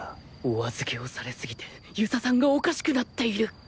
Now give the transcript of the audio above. おあずけをされすぎて遊佐さんがおかしくなっている